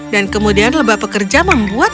dan kemudian lebah pekerja membuat